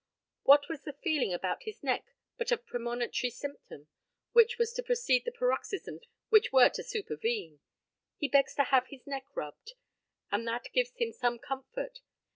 What was the feeling about his neck but a premonitory symptom, which was to precede the paroxysms which were to supervene? He begs to have his neck rubbed, and that gives him some comfort.